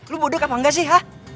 lo bodoh apa engga sih ha